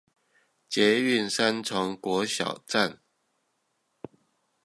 捷運三重國小站